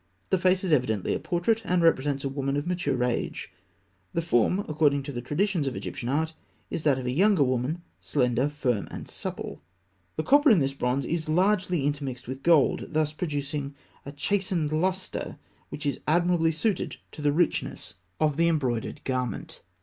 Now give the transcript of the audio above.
The face is evidently a portrait, and represents a woman of mature age. The form, according to the traditions of Egyptian art, is that of a younger woman, slender, firm, and supple. The copper in this bronze is largely intermixed with gold, thus producing a chastened lustre which is admirably suited to the richness of the embroidered garment.